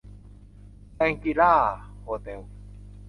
แชงกรี-ลา โฮเต็ล